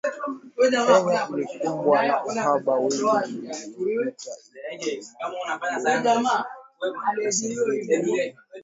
Kenya ilikumbwa na uhaba wiki iliyopita, ikidumaza huduma za usafiri wa umma